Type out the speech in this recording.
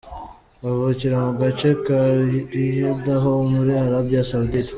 Avukira mu gace ka Riyadh ho muri Arabia Saudite.